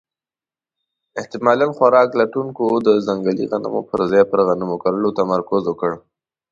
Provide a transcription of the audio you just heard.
احتمالاً خوراک لټونکو د ځنګلي غنمو پر ځای پر غنمو کرلو تمرکز وکړ.